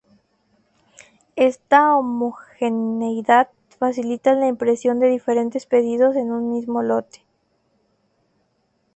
Esta homogeneidad facilita la impresión de diferentes pedidos en un mismo lote.